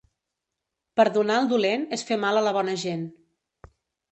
Perdonar el dolent és fer mal a la bona gent.